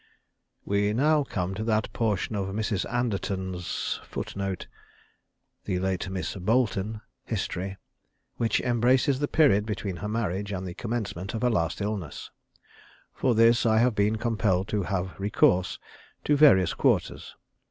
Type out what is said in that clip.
_ We now come to that portion of Mrs. Anderton's history which embraces the period between her marriage and the commencement of her last illness. For this I have been compelled to have recourse to various quarters.